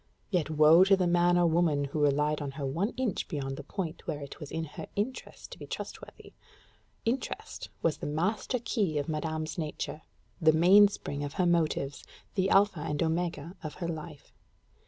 Yet woe be to the man or woman who relied on her one inch beyond the point where it was her interest to be trustworthy; interest was the master key of madame's nature the mainspring of her motives the alpha and omega of her life.